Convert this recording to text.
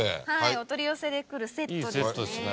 お取り寄せでくるセットですね。